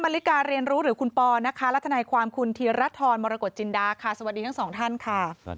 และทนายความคุณทีรัฐรมรกจิณฑาสวัสดีทั้งสองท่านค่ะ